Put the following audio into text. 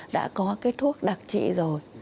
đã có cái thuốc đặc trị rồi